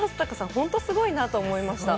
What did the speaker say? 本当にすごいなと思いました。